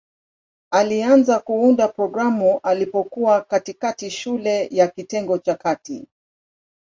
Alianza kuunda programu alipokuwa katikati shule ya kitengo cha kati.